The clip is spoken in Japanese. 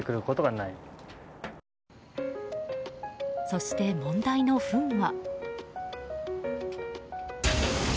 そして問題のフンは。